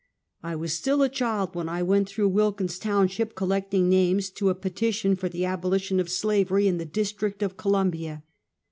1 was still a child when I went throughWilkins' township collecting names to a petition for the abolition of slavery in the District of Columbia.